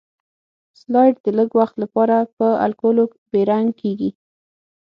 سلایډ د لږ وخت لپاره په الکولو بې رنګ کیږي.